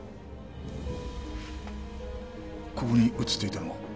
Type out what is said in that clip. ここに写っていたのは？